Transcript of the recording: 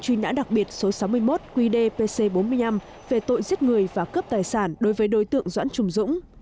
truy nã đặc biệt số sáu mươi một quy đề pc bốn mươi năm về tội giết người và cướp tài sản đối với đối tượng doãn trùm dũng